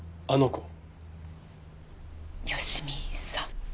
佳美さん。